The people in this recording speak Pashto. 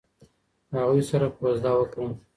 هغوی سره کوژده وکړه.